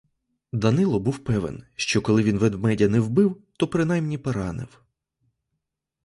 Данило був певен, що коли він ведмедя не вбив, то принаймні поранив.